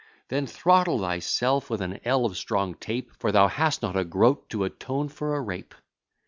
Then throttle thyself with an ell of strong tape, For thou hast not a groat to atone for a rape.